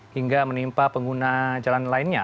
hingga menimpa pengguna jalan lainnya